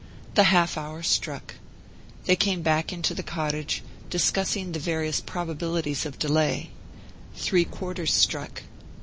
The half hour struck. They came back into the cottage, discussing the various probabilities of delay. Three quarters struck.